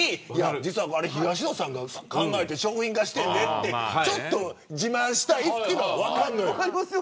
実はあれ東野さんが考えて商品化したってちょっと自慢したいというのは分かる。